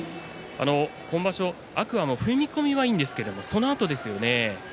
今場所、天空海の踏み込みはいいんですが、そのあとですよね。